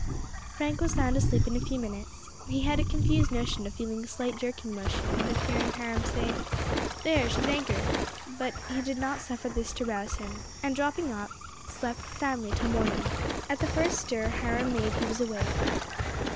Frank was sound asleep in a few minutes. He had a confused notion of feeling a slight jerking motion, and of hearing Hiram say, "There, she is anchored"; but he did not suffer this to rouse him, and, dropping off, slept soundly till morning. At the first stir Hiram made he was awake.